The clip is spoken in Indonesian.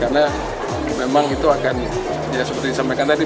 karena memang itu akan ya seperti disampaikan tadi